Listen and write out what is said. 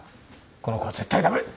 この子は絶対だめ！